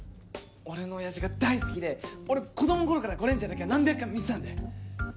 俺の親父が大好きで俺子供の頃からゴレンジャーだけは何百回も見てたんで。